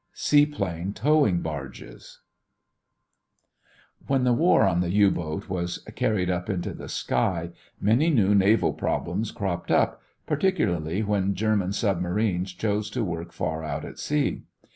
SEAPLANE TOWING BARGES When the war on the U boat was carried up into the sky, many new naval problems cropped up, particularly when German submarines chose to work far out at sea.